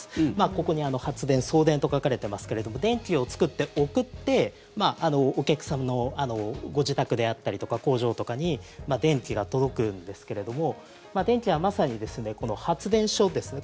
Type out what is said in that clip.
ここに発電、送電と書かれてますけれども電気を作って、送ってお客さんのご自宅であったりとか工場とかに電気が届くんですけど電気はまさに発電所ですね